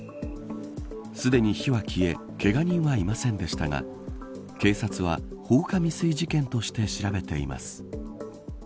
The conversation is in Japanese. すでに火は消えけが人はいませんでしたが警察は、放火未遂事件として調べています。